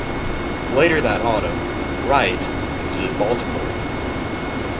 Later that autumn, "Wright" visited Baltimore.